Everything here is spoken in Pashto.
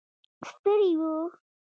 ستړي و.